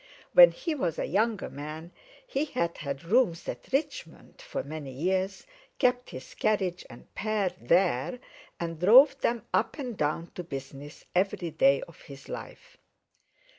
When he was a younger man he had had rooms at Richmond for many years, kept his carriage and pair there, and drove them up and down to business every day of his life.